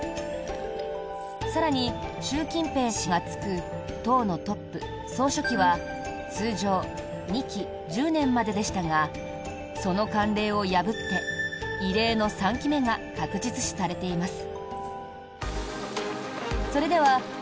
更に、習近平氏が就く党のトップ、総書記は通常２期１０年まででしたがその慣例を破って異例の３期目が確実視されています。